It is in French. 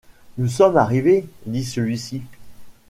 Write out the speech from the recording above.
Nous sommes arrivés, dit celui-ci.